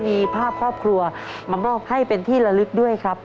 มีภาพครอบครัวมามอบให้เป็นที่ละลึกด้วยครับ